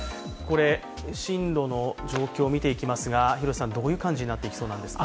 進路の状況を見ていきますが、どういう感じになっていきそうなんですか？